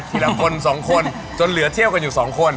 ทีละคน๒คนจนเหลือเที่ยวกันอยู่๒คน